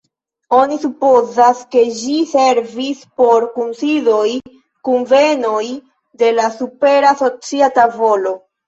Oni supozas, ke ĝi servis por kunsidoj, kunvenoj de la supera socia tavolo.